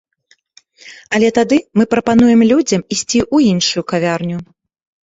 Але тады мы прапануем людзям ісці ў іншую кавярню!